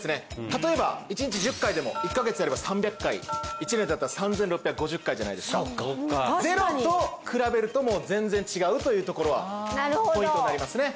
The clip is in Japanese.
例えば１日１０回でも１カ月やれば３００回１年だったら３６５０回じゃないですかゼロと比べるともう全然違うというところはポイントになりますね